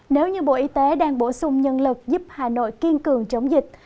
nếu như bộ y tế đang bổ sung nhân lực giúp hà nội kiên cường chống dịch